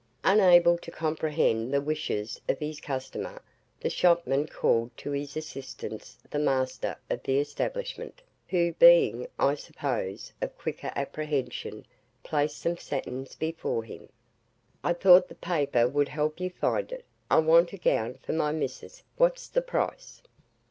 Unable to comprehend the wishes of his customer, the shopman called to his assistance the master of the establishment, who being, I suppose, of quicker apprehension, placed some satins before him. "I thought the paper would help you find it. I want a gown for my missus. What's the price?"